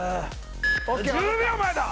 １０秒前だ！